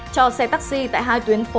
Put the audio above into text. cho xe taxi tại hai tuyến phố